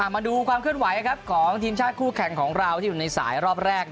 มาดูความเคลื่อนไหวของทีมชาติคู่แข่งของเราที่อยู่ในสายรอบแรก